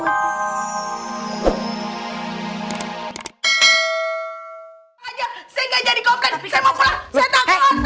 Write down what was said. saya gak jadi koplen saya mau pulang